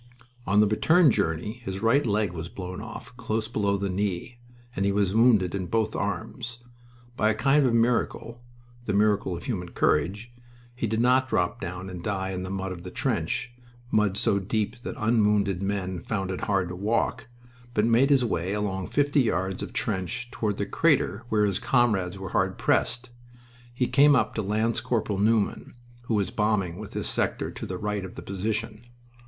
On the return journey his right leg was blown off close below the knee and he was wounded in both arms. By a kind of miracle the miracle of human courage he did not drop down and die in the mud of the trench, mud so deep that unwounded men found it hard to walk but made his way along fifty yards of trench toward the crater where his comrades were hard pressed. He came up to Lance corporal Newman, who was bombing with his sector to the right of the position.